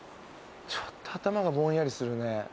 ちょっと頭がぼんやりするね。